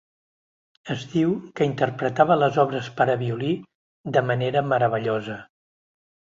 Es diu que interpretava les obres per a violí de manera meravellosa.